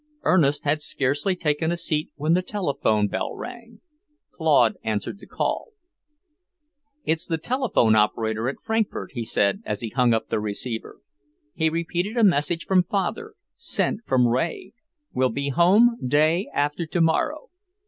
Ernest had scarcely taken a seat when the telephone bell rang. Claude answered the call. "It's the telegraph operator at Frankfort," he said, as he hung up the receiver. "He repeated a message from Father, sent from Wray: 'Will be home day after tomorrow.